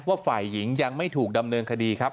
ว่าฝ่ายหญิงยังไม่ถูกดำเนินคดีครับ